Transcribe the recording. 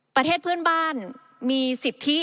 ประเทศเพื่อนบ้านมีสิทธิ